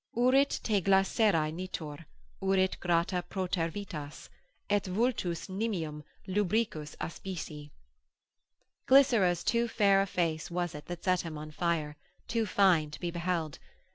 Urit te Glycerae nitor, Urit grata protervitas, Et vultus nimium lubricus aspici. Glycera's too fair a face was it that set him on fire, too fine to be beheld.